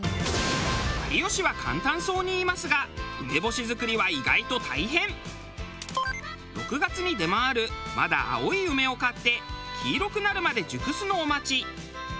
有吉は簡単そうに言いますが６月に出回るまだ青い梅を買って黄色くなるまで熟すのを待ち。